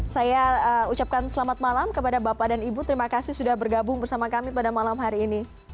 saya ucapkan selamat malam kepada bapak dan ibu terima kasih sudah bergabung bersama kami pada malam hari ini